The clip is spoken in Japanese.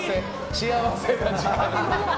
幸せな時間。